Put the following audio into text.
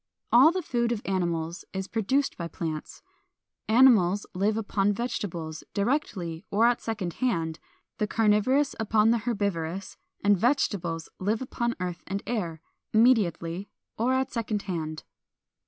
All the food of animals is produced by plants. Animals live upon vegetables, directly or at second hand, the carnivorous upon the herbivorous; and vegetables live upon earth and air, immediately or at second hand.